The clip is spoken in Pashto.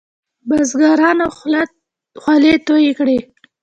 بزګرانو خوله توی کړې.